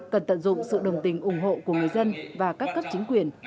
cần tận dụng sự đồng tình ủng hộ của người dân và các cấp chính quyền